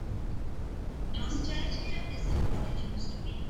Nostalgia isn't what it used to be.